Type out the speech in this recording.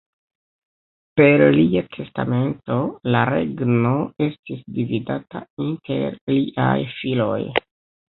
Per lia testamento la regno estis dividata inter liaj filoj.